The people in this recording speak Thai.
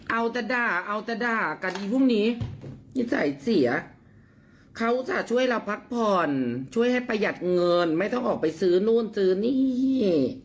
เอาแต่ด่าเอาแต่ด่ากันดีพรุ่งนี้นิสัยเสียเขาจะช่วยเราพักผ่อนช่วยให้ประหยัดเงินไม่ต้องออกไปซื้อนู่นซื้อนี่